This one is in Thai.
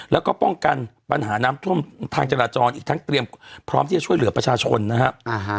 แล้วก็ป้องกันปัญหาน้ำท่วมทางจราจรอีกทั้งเตรียมพร้อมที่จะช่วยเหลือประชาชนนะครับ